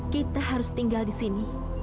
kita harus tinggal di sini